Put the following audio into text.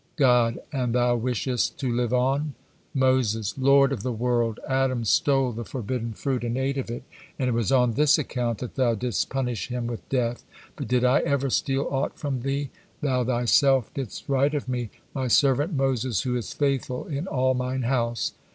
God: "And thou wishest to live on?" Moses: "Lord of the world! Adam stole the forbidden fruit and ate of it, and it was on this account that Thou didst punish him with death, but did I ever steal aught from Thee? Thou Thyself didst write of me, 'My servant Moses, who is faithful in all Mine house.'"